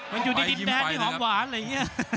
มันอยู่ในดินแดนที่หอมหวานอะไรอย่างนี้